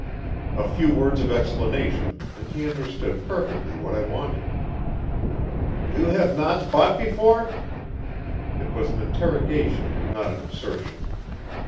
A few words of explanation, and he understood perfectly what I wanted. "You have not bought before?" It was an interrogation, not an assertion.